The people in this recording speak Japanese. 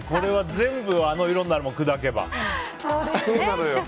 全部あの色になるもん、砕けば。